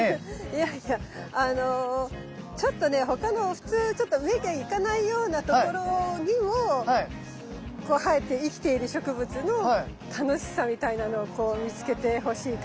いやいやあのちょっとね他の普通ちょっと目が行かないような所にも生えて生きている植物の楽しさみたいなのをこう見つけてほしいかなっていう。